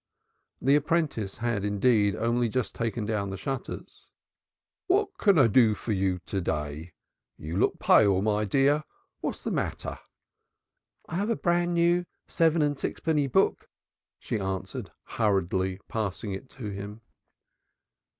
The apprentice had, indeed, only just taken down the shutters. "What can I do for you to day? You look pale, my dear; what's the matter?" "I have a bran new seven and sixpenny book," she answered hurriedly, passing it to him.